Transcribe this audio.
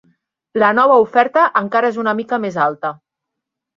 La nova oferta encara és una mica més alta.